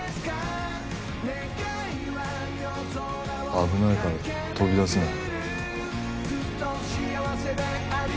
危ないから飛び出すなよ。